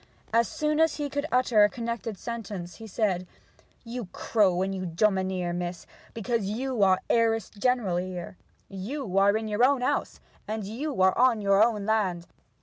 As soon as he could utter a connected sentence he said: 'You crow and you domineer, mistress, because you are heiress general here. You are in your own house; you are on your own land.